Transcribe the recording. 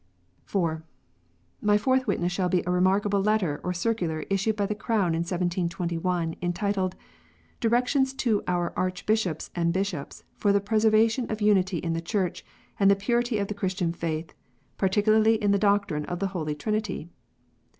(4) My fourth witness shall be a remarkable letter or circular issued by the Crown in 1721, entitled "Directions to our Archbishops and Bishops for the preservation of unity in the Church and the purity of the Christian faith, par ticularly in the doctrine of the Holy Trinity."